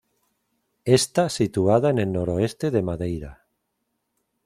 Esta Situada en el Noroeste de Madeira.